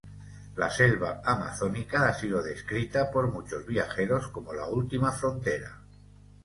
La selva amazónica ha sido descrita por muchos viajeros como la última frontera.